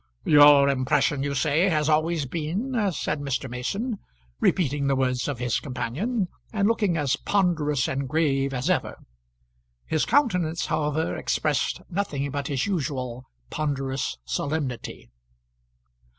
"Your impression, you say, has always been " said Mr. Mason, repeating the words of his companion, and looking as ponderous and grave as ever. His countenance, however, expressed nothing but his usual ponderous solemnity.